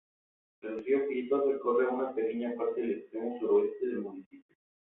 El río Prieto recorre una pequeña parte del extremo suroeste del municipio.